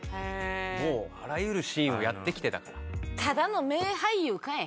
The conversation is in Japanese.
もうあらゆるシーンをやってきてだから。